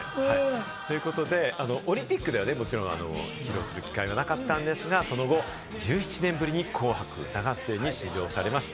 オリンピックではもちろん披露する機会はなかったんですが、その後、１７年ぶりに『紅白歌合戦』に出場されました。